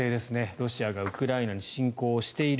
ロシアがウクライナに侵攻している。